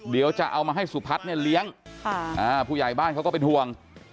เดี๋ยวจะเอามาให้สุพัฒน์เนี่ยเลี้ยงผู้ใหญ่บ้านเขาก็เป็นห่วง